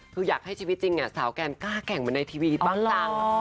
คืออยากให้ชีวิตจริงสาวกลานกล้าแก่งในทีวีปางตอน